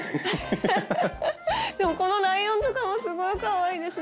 フフフでもこのライオンとかもすごいかわいいですね。